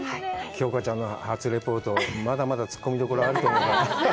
京香ちゃんの初レポート、まだまだツッコミどころあると思うから。